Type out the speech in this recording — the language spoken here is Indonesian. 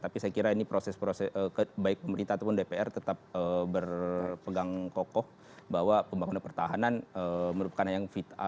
tapi saya kira ini proses proses baik pemerintah ataupun dpr tetap berpegang kokoh bahwa pembangunan pertahanan merupakan yang fit a